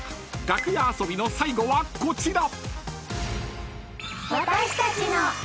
楽屋遊びの最後はこちら！］